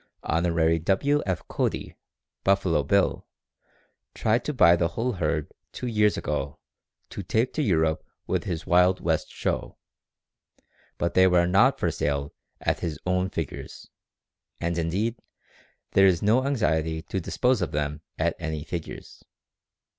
Hon. W. F. Cody, "Buffalo Bill," tried to buy the whole herd two years ago to take to Europe with his Wild West Show, but they were not for sale at his own figures, and, indeed, there is no anxiety to dispose of them at any figures.